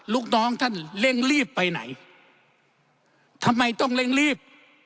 ลูกน้องท่านเร่งรีบไปไหนทำไมต้องเร่งรีบ